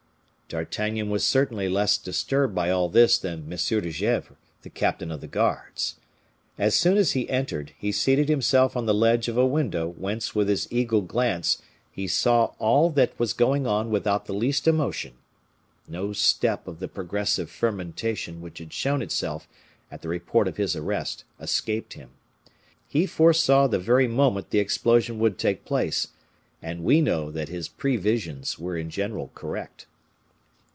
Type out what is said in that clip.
D'Artagnan was certainly less disturbed by all this than M. de Gesvres, the captain of the guards. As soon as he entered, he seated himself on the ledge of a window whence with his eagle glance he saw all that was going on without the least emotion. No step of the progressive fermentation which had shown itself at the report of his arrest escaped him. He foresaw the very moment the explosion would take place; and we know that his previsions were in general correct.